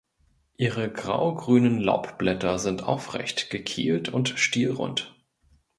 Ihre graugrünen Laubblätter sind aufrecht, gekielt und stielrund.